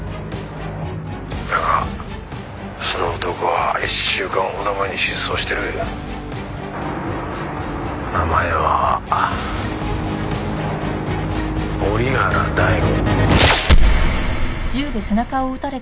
「だがその男は１週間ほど前に失踪してる」名前は折原大吾。